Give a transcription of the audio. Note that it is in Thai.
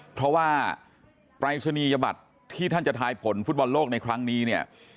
เพราะว่าปรายศนียบัตรที่ท่านจะทายผลฟุตบอลโลกในครั้งนี้เนี่ย